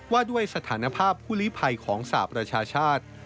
ว่าด้วยสถานภาพผู้ลิภัยของสหประชาชาติ